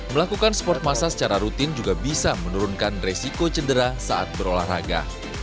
melakukan sport massa secara rutin juga bisa menurunkan resiko cedera saat berolahraga